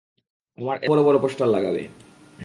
আমার এতো বড় বড় পোস্টার লাগাবে।